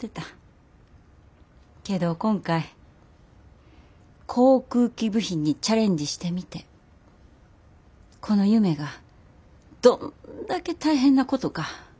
けど今回航空機部品にチャレンジしてみてこの夢がどんだけ大変なことかよう分かった。